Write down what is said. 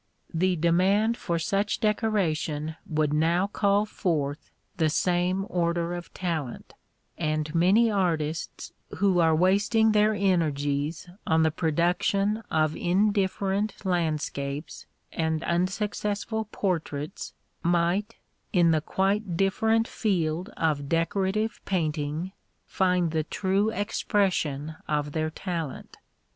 The demand for such decoration would now call forth the same order of talent, and many artists who are wasting their energies on the production of indifferent landscapes and unsuccessful portraits might, in the quite different field of decorative painting, find the true expression of their talent.